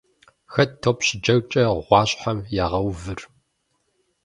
Хэт топ щыджэгукӀэ гъуащхьэм ягъэувыр?